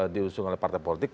diusung oleh partai politik